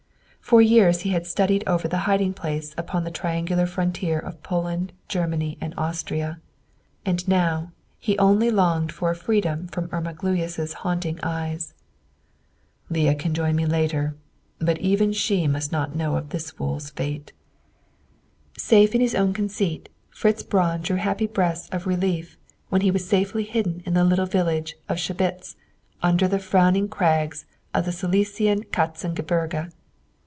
For years he had studied over the hiding place upon the triangular frontier of Poland, Germany, and Austria; and now, he only longed for a freedom from Irma Gluyas' haunting eyes. "Leah can join me later; but even she must not know of this fool's fate!" Safe in his own conceit, Fritz Braun drew happy breaths of relief when he was safely hidden in the little village of Schebitz, under the frowning crags of the Silesian Katzen Gebirge.